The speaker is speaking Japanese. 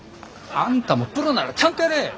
あんたもプロならちゃんとやれ。